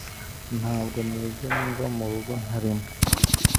Ntabwo nigera mva murugo ntarimo